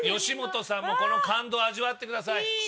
芳本さんもこの感動味わってください。